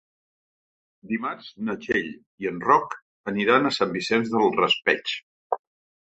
Dimarts na Txell i en Roc aniran a Sant Vicent del Raspeig.